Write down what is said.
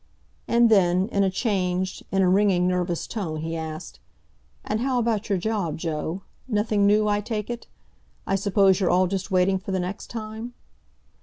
And then, in a changed, in a ringing, nervous tone, he asked, "And how about your job, Joe? Nothing new, I take it? I suppose you're all just waiting for _the next time?